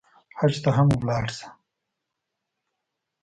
حج ته هم لاړ شه.